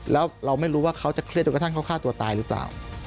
แล้วเราไม่รู้ว่าเขาจะเครียดจนกระทั่งเขาฆ่าตัวตายหรือเปล่า